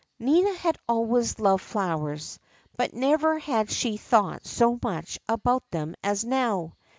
Nina had always loved flowers, but never had she thought so much about them as now.